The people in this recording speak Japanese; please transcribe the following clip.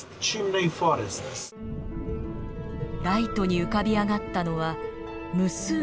ライトに浮かび上がったのは無数の柱。